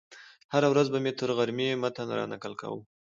هره ورځ به مې تر غرمې متن رانقل کاوه.